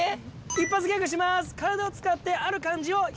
一発ギャグします。